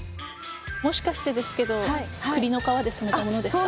もしかしてですけどクリの皮で染めた物ですか？